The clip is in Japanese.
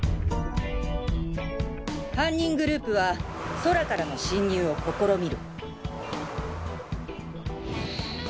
犯人グループは空からの侵入を試みる。